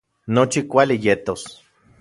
Nochi kuali yetos